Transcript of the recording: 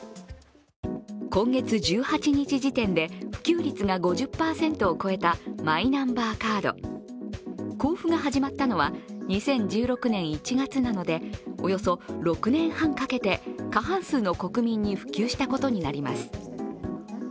今月１８日時点で普及率が５０％を超えたマイナンバーカード、交付が始まったのは２０１６年１月なのでおよそ６年半かけて過半数の国民に普及したことになります。